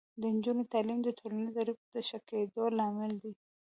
د نجونو تعلیم د ټولنیزو اړیکو د ښه کیدو لامل دی.